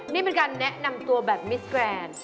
นี่เป็นการแนะนำตัวแบบมิสแกรนด์